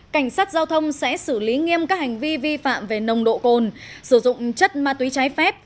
cảnh sát giao thông sẽ xử lý nghiêm các hành vi vi phạm về nồng độ cồn sử dụng chất ma túy trái phép